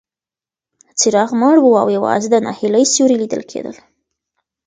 څراغ مړ و او یوازې د ناهیلۍ سیوري لیدل کېدل.